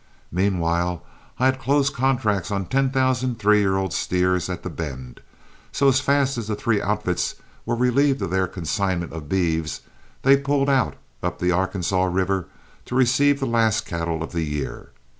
Meanwhile I had closed contracts on ten thousand three year old steers at "The Bend," so as fast as the three outfits were relieved of their consignment of beeves they pulled out up the Arkansas River to receive the last cattle of the year.